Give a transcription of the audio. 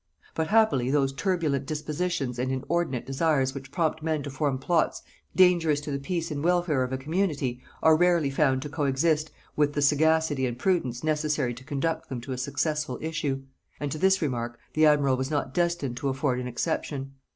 But happily those turbulent dispositions and inordinate desires which prompt men to form plots dangerous to the peace and welfare of a community, are rarely found to co exist with the sagacity and prudence necessary to conduct them to a successful issue; and to this remark the admiral was not destined to afford an exception.